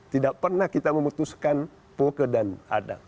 tidak pernah kita memutuskan polke dan adang